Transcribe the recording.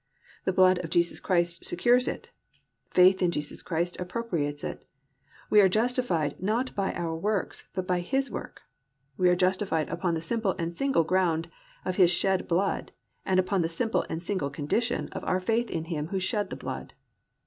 The blood of Jesus Christ secures it, faith in Jesus Christ appropriates it. We are justified not by our works, but by His work. We are justified upon the simple and single ground of His shed blood and upon the simple and single condition of our faith in Him Who shed the blood.